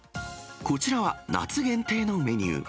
こちらは、夏限定のメニュー。